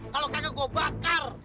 kalau kagak gue bakar